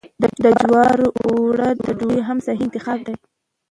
د جوارو اوړو ډوډۍ هم صحي انتخاب دی.